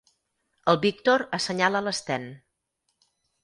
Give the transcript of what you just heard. El Víctor assenyala l'Sten.